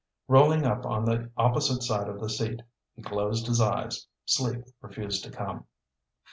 Rolling up on the opposite side of the seat, he closed his eyes. Sleep refused to come.